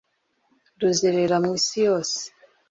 ruzerera mu isi yose